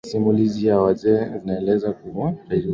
simulizi za wazee zinaeleza kuwa alifia huko